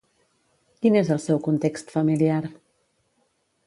Quin és el seu context familiar?